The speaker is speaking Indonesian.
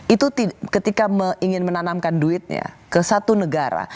itu ketika ingin menanamkan duitnya ke satu negara